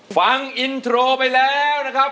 ฟังอินโทรไปแล้วนะครับ